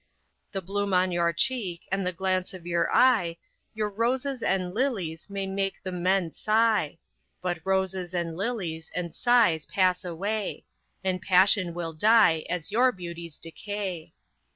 The bloom on your cheek, and the glance of your eye, Your roses and lilies may make the men sigh; But roses, and lilies, and sighs pass away, And passion will die as your beauties decay.